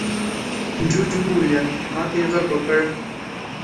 جوجو وويل: ما ته يې غږ وکړ.